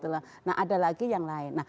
nah ada lagi yang lain